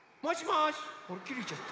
あっきれちゃった。